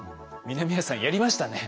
南谷さんやりましたね。